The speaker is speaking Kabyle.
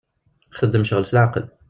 Txeddem ccɣel s leɛqel.